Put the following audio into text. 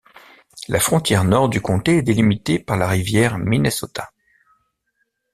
La frontière nord du comté est délimitée par la rivière Minnesota.